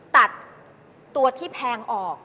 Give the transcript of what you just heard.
ตัดตัวที่แพงออก